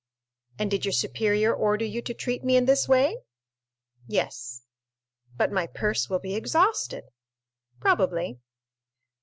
"And did your superior order you to treat me in this way?" "Yes." "But my purse will be exhausted." "Probably."